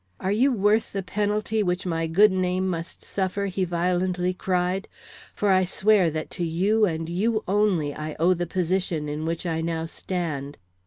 "Are you worth the penalty which my good name must suffer?" he violently cried. "For I swear that to you and you only I owe the position in which I now stand!"